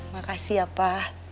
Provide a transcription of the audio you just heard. makasih ya pa